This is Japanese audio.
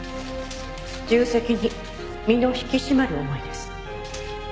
重責に身の引き締まる思いです。